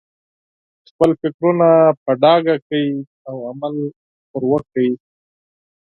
خپل فکرونه په ډاګه کړئ او عمل پرې وکړئ.